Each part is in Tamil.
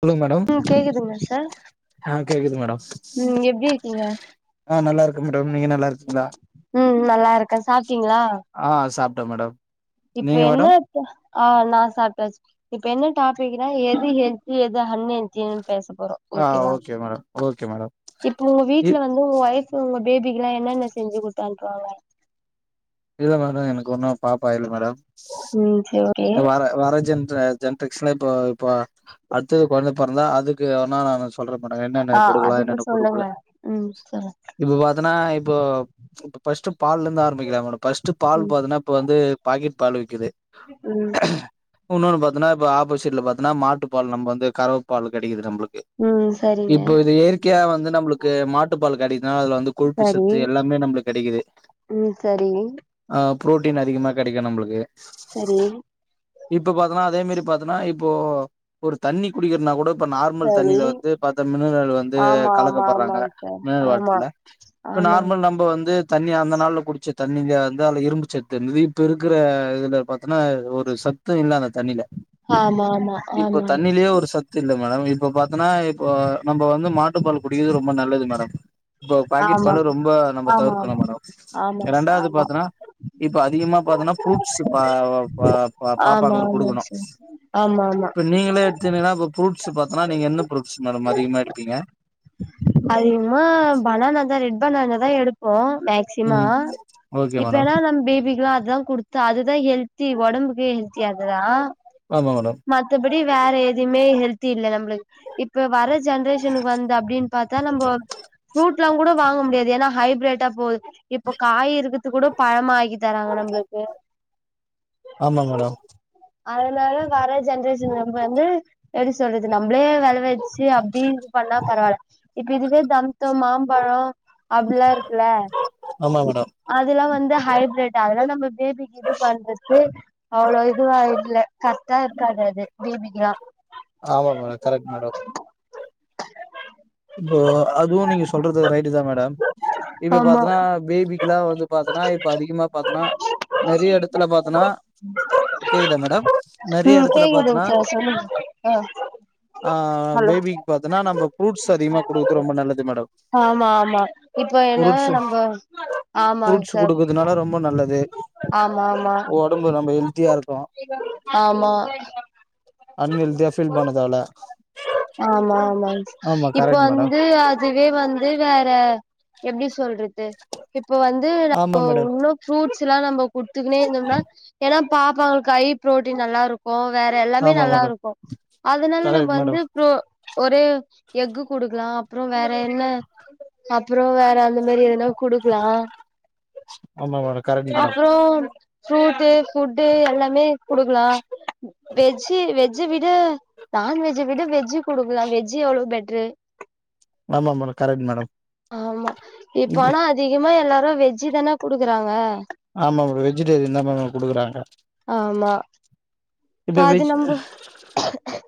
சொல்லுங் மேடம் ம் கேக்குதுங்களா சார் ஆ கேக்குது மேடம் ம் எப்டி இருக்கீங்க நா நல்லாருக்கே மேடம் நீங்க நல்லாருக்கீங்ளா ம் நல்லா இருக்கே சாப்ட்டீங்களா ஆ சாப்ட்டே மேடம் இப்ப நீங்க என்ன மேடம் ஆ நா சாப்ட்டாச்சு இப்ப என்ன டாபிக்னா எது ஹெல்த்தி எது அன் ஹெல் தின் பேச போறோ ஆ ஓகேவா ஓகே மேடம் ஓகே மேடம் இப்ப ஒங்க இ வீட்ல வந்து ஒங்க ஒய்ஃப்பு ஒங்க பேபிக்கல்லா என்னான்னா செஞ்சு குடுத்து அனுப்புவாங்க இல்ல மேடம் எனக்கு ஒன்னு பாப்பா இல்ல மேடம் ம் சேவக் அ‌ வார வர ஜென்ர ஜென்ரேஷன்ல இப்போ இப்போ அத்தது கொழந்த பொறந்தா அதுக்கு நான் சொ சொல்றக் மாட்டாங்க என்னென்ன ஆ குடுக்கலா அதுக்கு என்னென்ன சொல்லுங்க குடுக்கூடாது ம் சொல்லு இப்போ பாத்தனா இப்போ இப்ப ஃபஸ்ட்டு பால்ல இருந்து ஆரம்பிக்றாங்க ஃபஸ்ட்டு பால் ம் பாத்தனா இப்ப வந்து பாக்கெட் பால் விக்குது ம் இன்னொன்னு பாத்தனா இப்ப ஆப்போசிட்ல பாத்தனா மாட்டு பால் நம்ம வந்து கரவு பால் கெடைக்குது நம்ளுக்கு ம் சரிங்க இப்போ இது இயற்கையா வந்து நம்மளுக்கு மாட்டுபால் கெடைக்குதுனா அதுல வந் இந்த கொழுப்பு சரி சத்து எல்லாமே நம்மளுக்கு கெடைகுது ம் சரி ஆ புரோட்டீன் அதிகமா கெடைக்கு நம்ளுக்கு சேரி இப்ப பாத்தனா அதே மாரி பாத்தனா இப்போ ஒரு தண்ணி குடிக்கிறனா கூடக் இப்ப நார்மல் சரி தண்ணில வந்து பாத்தா மினரல் வந்து ஆமா ஆமா கலக்கபட்றாங்க ஆமாங்க சார் மினரல் ஆமா வாட்டர்ல இப்ப ஆமா நார்மல் நம் ப வந்து தண்ணி அந்த நாள்ல குடிச்ச தண்ணிய வந்து அதுல இரும்புசத்து இருந்தது இப்ப இருக்கற இதுல பாத்தனா ஒரு ஒரு சத்து இல்ல அந்த தண்ணில ஆமா ஆமா இப்போ ஆமாங்க தண்ணிலயே ஒரு சத் துல்ல மேடம் இப்ப பாத்தனா இப்போ நம்ம வந்து மாட்டுப்பால் குடிகறது ரொம்ப நல்லது மேடம் இப்போ பாக்கெட் பாலு ஆமாங்க ரொம்போ நம்ம ஆமா தவிர்க்கணு ஆமா மேடம் ஆமா ச ரெண்டாவது ஆமா பாத்தனா இப்ப அதிகமா பாத்தனா ஃப்ரூட்ஸ் பா பா ஆமா பாப்பாங்ளுக்கு ஆமா குடுக்கணு சார் ஆமா ஆமா இப்ப நீங்களே எடுத்தீங்கனா இப்ப ப்ரூட்ஸ் பாத்தனா நீங்க என்ன ஃப்ரூட்ஸ் மேடம் அதிகமா எடுப்பீங்க அதிகமா பனானா தான் ரெட் பனான தா எடுப்போ மேக் சிமா ம் ஓகே இப்ப மேடம் ஏனா நம் பேபிகலா அதா குடுத் அதுதா ஹெல்த்தி ஒடம்புக்கு ஹெல்த்தி அதுதா ஆமா மேடம் மத்தபடி வேற எதுமே ஹெல்த்தி இல்ல நம்ளுக்கு இப்ப வர ஜென்ரேஷனுக்கு வந் அப்டினு பாத்தா நம்போ ஃப்ரூட்லா கூட வாங்க முடியாது ஏனா ஹைப் ரேட்டா போது இப்போ காய் இருக்குது கூட பழமா ஆக்கி தராங்க நம்மளுக்கு ஆமாங் மேடம் அதனால வர ஜென்ரேஷன்ல இருக்கவங்க வந்து எப்டி சொல்றது நம்மளே வெலவச் ச்சி அப்டி இது பண்ணா பரவாயில்ல இப்ப இதுவே தம்தம் மாம்பழோ அப்டிலா இருக்குல ஆமாங் மேடம் அதுலா வந்து ஹைப்ரேட் அதலாம் நம்ம பேபிக்கு எப்டி பண்றது அவ்ளோ இதுவா இல்ல கரெக்டா இருக்காது அது பேபிகெலாம் ஆமா மேடம் கரெக்ட் மேடம் இப்போ அதுவும் நீங்க சொல்றது ரைட்தா மேடம் இப்ப ஆமா பாத்தனா பேபிக்குலா வந்து பாத்தனா இப்ப அதிகமா பாத்தனா தறையா எடத்துல பாத்தனா கேக்குதா மேடம் நெறைய ம் எடத்துல கேக்குதுங்க பாத்தனா சார் சொல்லுங்க ஆ ஆ ஹலோ பேபிக்கு பாத்தனா நம்ம ப்ரூட் ட்ஸ் அதிகமா குடுகுறது ரொம்ப நல்லது மேடம் ஆமா ஆமா இப்ப ஏன்னா ஃபுரூட்ஸ் நம்ப ஆமாங்க ஃப்ரூட்ஸ் சார் குடுகுறதுனால ரொம்பொ நல்லது ஆமா ஆமா உடம்பு ரொம்பொ ஹெல்த்தியா இருக்கு ஆமா அண் ஹெல்த்தியா ஃபீல் பண்ணது தேவல ஆமா ஆமாங் ஆமா இப்ப கரெக்ட் மேடம் வந்து அத் இதுவே வந்து வேற எப்டி சொல்றது இப்போ வந்து ஆமா நம்பொ மேடம் ஒண்ணு ஃப்ரூட்ஸ்லா நம்ம குத்துக்குனே இருந்தோம்னா ஏனா பாப்பாங்ளுக்கு ஐ ப்ரோட்டீன் நல்லா இருக் ம்ம் வேற எல்லாமே ஆமா நல்லா மேடம் இருக்கும் அதுனால நம்ம கரெக்ட் வந்து மேடம் ப்ரோ ஒரு எஃக் குடுக்கலா அப்பற வேற என்ன அப்ற வேற அந்த மாதிரி எதனா கொடுக்கலா ஆமா மேடம் கரெக்ட் மேடம் அப்றோ ஃப்ரூட்டு ஃபுட்டு எல்லாமே குடுக்கலா வெஜ்ஜ் வெஜ்ஜு விட நான்வெஜ்ஜ் விட வெஜ்ஜு குடுக்கலா வெஜ்ஜ் எவ்ளோ பெட்ரு ஆமா மேடம் கரெக்ட் மேடம் ஆமா இப்ப ஆனா அதிகமா எல்லாரு வெஜ்ஜி தான குடுக்குறாங்க ஆமா மேம் வெஜிடேரிய தா மேம் குடுக்குறாங்க ஆமா இப்ப அது நம்ம க்கு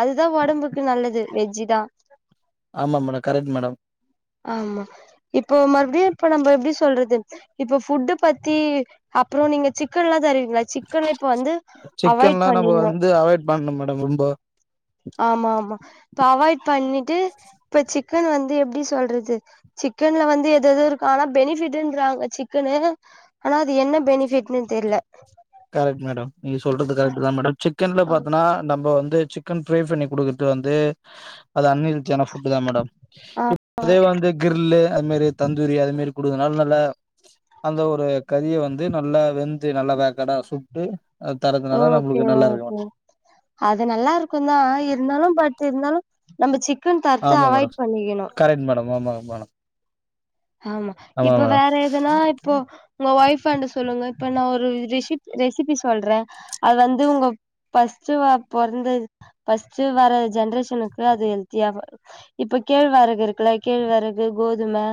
அதுதா உடம்புக்கு நல்லது வெஜ்ஜிதா ஆமா மேடம் கரெக்டு மேடம் ஆமா இப்போ மறுபடியு இப்ப நம்ப எப்டி சொல்றது இப்போ ஃபுட்டு் பத்தி அப்பற நீங்க சிக்கன்லா தருவீங்களா சிக்கன இப்ப வந்து அவாய்ட் பண்ணிருனு பாக்கனு மேடம் ரொம்ப ஆமா ஆமா இப்ப அவாய்ட் பண்ணிட்டு இப்ப சிக்கன் வந்து எப்டி சொல்றது சிக்கன்ல வந்து எது எது இருக்கா ஆனா பெனிஃபிட்ன்றாங்க சிக்கனு ஆனா அது என்ன பெனிஃபிட்ன்னு தெரில கரெக்ட் மேடம் நீங்க சொல்றது கரெக்ட் தா மேடம் சிக்கன்ல பாத்தனா நம்ம வந்து சிக் சிக்கன் ஃப்ரை பண்ணி கொடுக்குறது வந்து அது அன்கெல்த்தியான ஃபுட்டு தா மேடம் இப்ப அதே வந்து கிரில்ல்லு அது மாறி தந்தூரி அது மாறி குடுகுதுனால நல்ல அந்த ஒரு கறிய வந்து நல்லா வெந்து நல்லா வேக்கடா சுட்டு அது தரறதுனால ஓகே நம்மளுக்கு நல்லா இருக்கும் ஓகே அது நல்லா இருக்கு தா இருந்தாலு பட் இருந்தாலு நம்ம சிக்கன் தர்த்து ஆமா மேடம் அவாய்ட் பண்ணிக்கணு கரெக்ட் மேடம் ஆமாங்க மேடம் ஆமா இப்ப வேற எதுனா இப்போ உங்க ஒயஃப் பாண்ட சொல்லுங்க இப்ப நா ஒரு ரெசிப் ரெசிபி சொல்ற அது வந்து உங்க ஃபர்ஸ்ட் வ புறந்தது ஃபர்ஸ்ட் வர ஜென்ரேஷனுக்கு அது ஹெல்த்தியாவா இப்ப கேழ்வரகு இருக்குல்ல கேழ்வரகு கோதும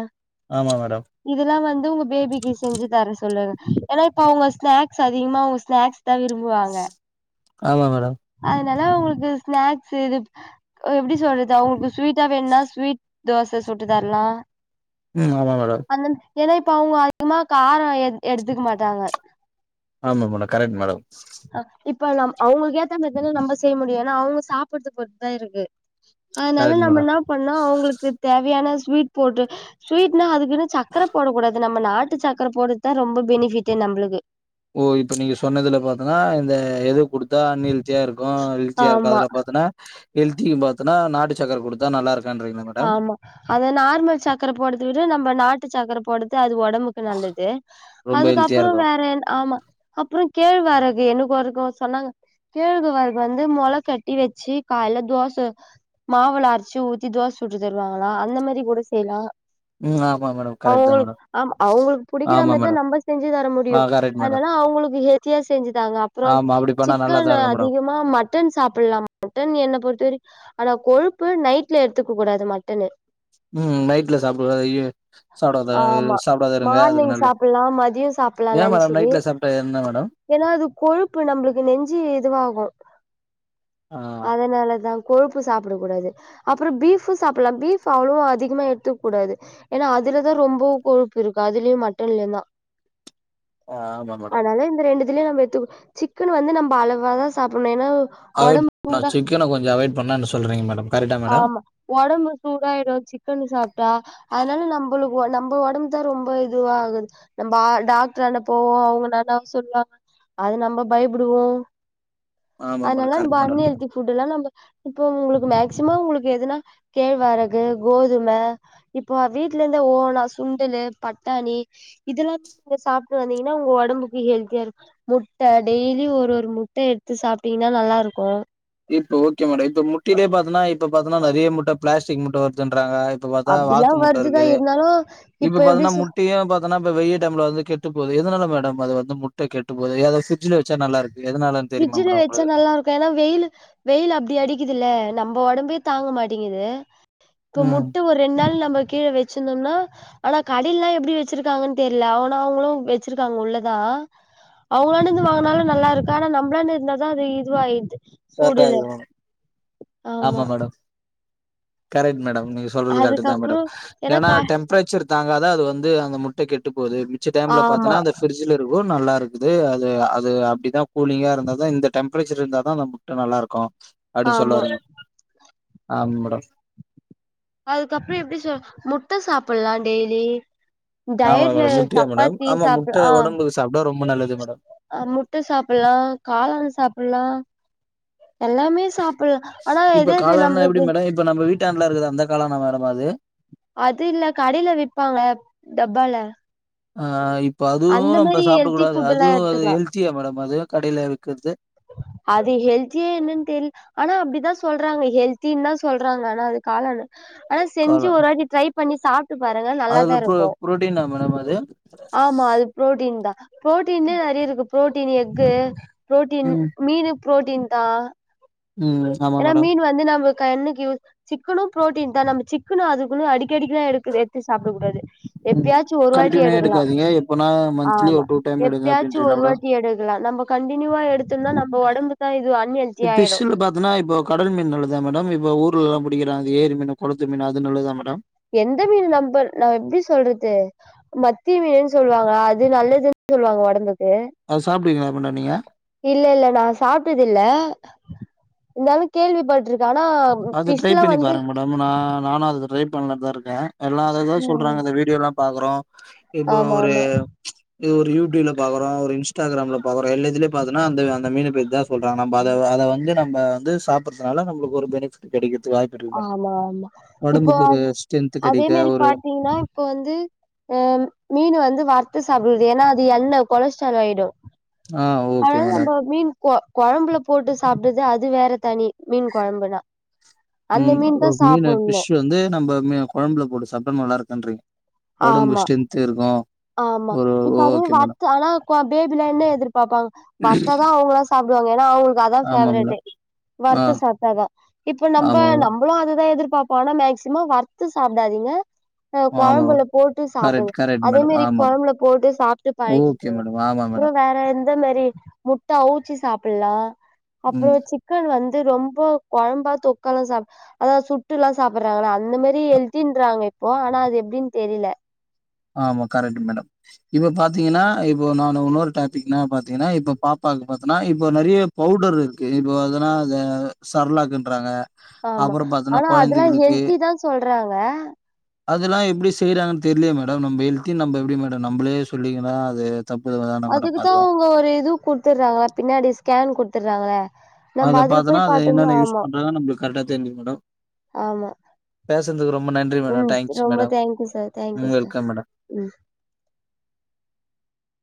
ஆமா மேடம் இதெல்லா வந்து உங்க பேபிக்கு செஞ்சு தார சொல்லுங்க ஏன்னா இப்ப அவங்க ஸ்நாக்ஸ் அதிகமா அவுங்க ஸ்நாக்ஸ் தா விரும்புவாங்க ஆமா மேடம் அதனால உங்களுக்கு ஸ்நாக்ஸ் இத் இது எப்டி சொல்றது அவங்களுக்கு ஸ்வீட்டா வேணும்னா ஸ்வீட் தோச சுட்டு தரலா ம் ஆமா மேடம் அண்ணன் ஏன்னா இப்ப அவங்க அதிகமா கார எ எடுத்துக்க மாட்டாங்க ஆமா மேடம் கரெக்ட் மேடம் இப்ப நம் அவங்களுக்கு ஏத்த மாதிரிதான நம்ம செய்ய முடியு ஏன்னா அவங்க சாப்டுத பொறுத்து தா இருக்கு அதனால கரெக்ட் நம்ம மேடம் என்ன பண்ண அவங்களுக்கு தேவயான ஸ்வீட் போட்டு ஸ்வீட்னா அது இது சக்கர போடக்கூடாது நம்ம நாட்டு சக்கர போடுறதுதா ரொம்ப பெனிபிட் நம்மளுக்கு ஓ இப்ப நீங்க சொன்னதுல பாத்தன்னா இந்த எது குடுத்தா அன் ஹேல்தியா இருக்கு எழுச்சியா இருக்கு ஆமா அதலா பாத்தன்ன ஹெல்தின் பாத்தனா நாட்டு சக்கர குடுத்தா நல்லாருக்குன்ரீங்ளா ஆமா அத நார்மல் சக்கர போடத விட நம்ம நாட்டு சக்கர போடது அது ஒடம்புக் கு நல்லது ரொம்ப ஹெல்த்தியா அதுக்கப்புறோ இருக்கு வேற என்ன ஆமா அப்புறோ கேழ்வரகு எனக்கு ஒருக்கோ சொன்னாங்க கேழ்வரகு வந்து மொள கட்டி வெச்சு கால்ல தோச மாவுள அரச்சி ஊத்தி தோச சுட்டு தருவாங்ளா அந்தமாரி கூட செய்லா ம் ஆமா மேடம் கரெக்ட் தா அவ்ங்களுக் மேடம் ஆமா அவ்ங்களுக்கு ஆமா புடிக்கிறமாரிதா மேடம் நம்ம செஞ்சு தர ஆ முடியு கரெக்ட் மேடம் அதனால அவ்ங்களுக்கு ஹெல்த்தியா செஞ்சுதாங்க அப்புறோ ஆமா அப்டி பண்ணா நல்லாதா சிக்கன இருக்கு மேடம் அதிகமா மட் மட்டன் சாப்புல்லா மட்டன் என்ன பொறுத்தவர ஆனா கொழுப்பு நைட்ல எடுத்துக்க கூடாது மட்டனு ம் நைட்ல சாப்பட்றது ஐயே சாப்படாத சாப்படாத இருங்க அது ங் சாப்புல்லா மதியோ சாப் ஏ மேடம் நைட்ல சாப்ட்டா என்ன மேடம் எனா அது கொழுப்பு நம்ளுக்கு நெஞ்சு இதுவாகு ஆ அதனாலதா கொழுப்பு சாப்டக் கூடாது அப்புறோ பீஃப் சாப்டலா பீஃப் அவ்ளோவா அதிகமா எடுத்துக் கூடாது எனா அதுலதா ரொம்ப கொழுப்பு இருக்கு அதுலயு மட்டன்லயுதா ஆமா மேடம் ஆதனால இந்த ரெண்டு இதுல நம்ம எடுத்துக்க சிக்கன் வந்து நம்ம அழவாதா சாப்பட்னு எனா அவாய்ட் பண்ண சிக்கன கொஞ்சோ அவாய்ட் பண்ண என்ன சொல்றீங்க மேடம் கரெக்டா மேடம் ஆமா ஒடம்பு சூடாய்டு சிக்கனு சாப்ட்டா அதனால நம்ளுக்கு நம்ப ஒடம்புதா ரொம்ப இதுவாகுது நம்ப டாக்ட்ரான்ட போவோ அவுங்க எதா சொல்லுவாங்க அது நம்ம பயப்புடுவோ ஆமா மேடம் அதனாலதா நம்ம கரெக்ட் அன் மேடம் ஹெல்தி புட்டுலா நம்ம இப்ப உங்குளுக்கு மேக்சிமம் உங்குளுக்கு எதுனா கேழ்வரகு கோதும இப்போ வீட்ல இருந்து ஓனா சுண்டலு பட்டாணி இதெல்லாமே நீங்க சாப்ட்டு வந்தீங்கனா உங்க ஒடம்புக்கு ஹெல்தியா இருக்கு முட்ட டெய்லி ஒரு ஒரு முட்ட எடுத்து சாப்ட்டீங்கனா நல்லாருக்கு இப்ப ஓகே மேடோ இப்ப முட்டைலயே பாத்தனா இப்ப பாத்தனா நறைய முட்ட ப்ளாஸ்டிக் முட்ட வருதுன்றாங்க இப்ப பாத்தா அப்டிலா வாத்து முட்ட வருதுதா இருக்குது இருந்தாலு இப்ப எப்டி பாத்தனா சொ முட்டயு பாத் இதனா இப்ப வெயில் டைம்ல வந்து கெட்டு போது எதனால மேடம் அது வந்து முட்ட கெட்டு போது அத ஃபிரிட்ஜுல வெச்சா நல்லாருக்கு எதனாலன் ஃபிரிட்ஜில வெச்சா நல்லாருக் எனா வெயிலு வெயில் அப்டி அடிக்குதுல்ல நம்ப ஒடம்பே தாங்க மாட்டிங்குது இப்ப ம் முட்ட ஒரு ரெண் நாள் நம்ம கீழ வெச்சுருந்தோனா ஆனா கடைலா எப்டி வெச்சிருக்காங்கன் தெர்ல ஆனா அவுங்களு வெச்சிருக்காங்க உள்ளதா அவுங்களான்ட இருந்து வாங்கனாலு நல்லாருக்கு ஆனா நம்மளான்ட இருந்ததா அது இதுவாய்ருது கரெக்டா எடுக்கணு ஆமா மேடம் கரெக்ட் மேடம் நீங்க சொல்றது கரெக்டுதா அதுக்கப்றோ மேடம் ஏன்னா எனா கா டெம்பரேச்சர் தாங்காத அது வந்து அந்த முட்ட கெட்டு போது மிச்ச டைம்ல ஆமா பாத்தனா அந்த ஃபிரிஜ் ஜுல இருகவு நல்லாருக்குது அது அது அப்டிதா கூலிங்கா இருந்தா தா இந்த டெம்பரேச்சர் இருந்தாதா நம் முட்ட நல்லாருக்கு அப்டின் ஆமா சொல்லவரீங் ஆமா மேடம் அதுக்கப்புறோ எப்டி சொல் முட்ட சாப்பல்லா டெய்லி ஆமா டயட்ல மேடம் முட்டையா மேடம் சப்பாத்தி ஆமா சாப்பல் முட்டை ஆ உடம்புக்கு சாப்பிட்டா ரொம்ப நல்லது மேடம் அ முட்ட சாப்புல்லா காளான் சாப்புல்லா எல்லாமே சாப்புல்லா ஆனா இப்ப அதே இது காளான்னா எப்படி நம்ளுக்கு மேடம் இப்ப நம்ம வீட்டாண்டலா இருக்குதே அந்த காளானா மேடம் அது அது இல்ல கடைல விப்பாங்க டப்பால ஆ இப்ப அதுவு அந்த நம்ம மாரி சாப்டக் ஹெல்தி கூடாது ஃபுட் எல்லா அதுவு அது எடுத்துக்கலா ஹெல்த்தியா மேடம் அது கடையில விக்கற்து அது ஹெல்த்தியி என்னன் தெர் ஆனா அப்டிதா சொல்றாங்க ஹெல்தின் தா சொல்றாங்க ஆனா அது காளான்னு ஆனா செஞ்சு காளான் ஒரு வாட்டி ட்ரை பண்ணி சாப் ட்டு பாருங்க அதுல நல்லாதா ப்ரோ இருக்கு ப்ரோட்டீனா மேடம் அது ஆமா அது ப்ரோட்டீன் தா ப்ரோட்டீன் நெறைய இருக்கு ப்ரோட்டீன் எக்கு ப்ரோட்டீன் ம் மீனு ப்ரோட்டீன் தா ம் ஆமா ஏன்னா மேடம் மீன் வந்து நம்பக் கண்ணுக்கு யூஸ் சிக்கனு ப்ரோட்டீன் தா நம்ப சிக்கனு அதுக்குன்னு அடிக்கடிக்கெல்லா எடுக்கு எத்து சாப்டக்க கூடாது ம் எப்பயாச்சு ஒரு வாட்டி கண்டினியூ எடுக்கலா எடுக்காதீங்க எப்பனா மந்த்லி ஆமா ஒரு டூ டைம் எடுங்க எப்பயாச்சு அப்டின்றீங்களா ஒரு மேடம் வாட்டி எடுக்கலா நம்பக் கண்டினியூவா எடுத்தன்ன நம்ம உடம்பு தா இதுவ அன்ஹெல்தியா ஆயிடு [unintelligible] பாத்தன்னா இப்போ கடல் மீன் நல்லதா மேடம் இப்ப ஊர்லலா பிடிக்றாங்க ஏரி மீனு கொளத்து மீனு அது நல்லதா மேடம் எந்த மீனு நம்ப நா எப்டி சொல்றது மத்தி மீனுன்னு சொல்லுவாங்க அது நல்லதுன்னு சொல்லுவாங்க ஒடம்புக்கு அது சாப்ட்டிங்களா மேடம் நீங்க இல்ல இல்ல நா சாப்ட்டது இல்ல இருந்தாலு கேள்விப்பட்டிருக்கே ஆனா அது ட்ரை ஃபிஷ்லாம் பண்ணி வந்து பாருங்க மேடம் நா நானு அது ட்ரை பண்ணலாதா இருக்கே எல்லா அதைதா ம். சொல்றாங்க இந்த வீடியோலா பாக்கறோ இப்போ ஆமா ஒரு ஆமா. இப்ப ஒரு யூடியூப்ல பாக்குறோ ஒரு இன்ஸ்டாகிராம்ல பாக்குறோ எல்ல இதுல பாத்தன்னா அந்த அந்த மீனு பாத்தா சொல்றங்க நம்ப அத அத வந்து நம்ப வந்து சாப்டுறதுனால நம்பளுக்கு ஒரு பெனிபிட் கெடைக்குதுக்கு வாய்ப் ஆமா ஆமா இப்போ ஸ்ட்ரென்த் அதே கெடைக்க மெரி ஒரு பாத்தீங்ன்னா இப்போ வந்து அ மீனு வந்து வறுத்து சாப்டுறது ஏன்னா அது எண்ணெ கொலஸ்ட்ரலாய்டு ஆ ஓகே அதனால மேடம் நம்ப மீன் கொ கொழம்புல போட்டு சாப்டுது அது வேற தனி மீன் கொழம்புனா ம் மீன் ஃபிஷ் வந்து நம்ப மீ கொழம்புல போட்டு சாப்ட்ட நல்லா இருக்குன்றிங்க ஒடம்பு ஆமா ஸ்டேன்த்து இருக்கு ஆமா ஒரு இப்ப அதே ஓகே மேடம். வர்த்து ஆனா கொ பேபில என்ன எதிர்பாப்பாங்க வர்த்தா தா அவுங்கள சாப்டுவாங்க ஏன்னா அவுங்களுக்கு அதா ஆமா பேவ்ரட்டே மேடம். ஆ வறுத்து சாப்ட்டாதா இப்ப நம்ப ஆமா மேடம். நம் பளு அதுதா எதிர்பாப்போ ஆனா மேக்சிமம் வற்த்து சாப்டாதீங்க ஆ ஆமா கொழம்புல மேடம். போட்டு சாப்டுங்க கரெக்ட் கரெக்ட் அதே மேடம். மாரி ஆமா. கொழம்புல போட்டு சாப்ட்டு ஓகே பழகிக்கோங்க மேடம். ஆமா அப்றோ மேடம். வேற இந் தேமாரி முட்ட அவுச்சி சாப்ல்லா அப்றோ ம். சிக் கன் வந்து ரொம்ப கொழம்பா தெக்கலா சாப் அதா சுட்டுல்லா சாப்டடுறாங்களா அந்த மெரி ஹெல்த்தின்றாங்க இப்போ ஆனா அது எப்டின் தெரில ஆமா கரெக்ட் மேடம் இப்ப பாத்தீங்கன்னா இப்போ நானு இன்னொரு டாட் பிக்னா பாத்தீங்கன்னா இப்ப பாப்பாக்கு பாத்தீன்னா இப்போ நெறைய பவுடர் இருக்கு இப்போ அதெல்லா அத சர்லாக்குன்றாங்க ஆமா ஆனா அதெல்லா ஹெல்தி தா சொல்றாங்க அதெல்லா எப்டி செய்யறாங்கன்னு தெர்லியே மேடம் நம்ம ஹெல்த்தின் நம்ப எப்டி மேடம் நம்பளே சொல்லீங்கன்னா அது தப்பு தா மேடம் அதுக்குதா அது அவுங்க ஒரு இது குடுத்துறாங்கள பின்னாடி ஸ்கேன் குடுத்துடுறாங்கள அத பாத்தன்னா அத என்னென்ன யூஸ் பண்றத நம்பளுக்கு கரெக்டா தெரிஞ்சிடு மேடம் ஆமா பேசுன்துக்கு ரொம்ப நன்றி மேடம். ம் தேங்க்ஸ் ரொம்ப மேடம். தேங்க்யூ சார் ம் தேங்க்யூ சார் வெல்கம் மேடம். ம்